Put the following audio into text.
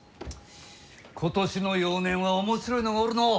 今年の幼年は面白いのがおるのう。